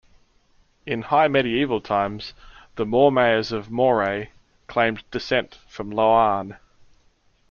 In High Medieval times the Mormaers of Moray claimed descent from Loarn.